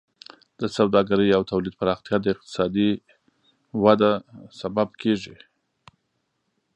د سوداګرۍ او تولید پراختیا د اقتصادي وده سبب کیږي.